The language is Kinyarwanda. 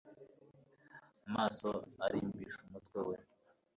maso arimbisha umutwe we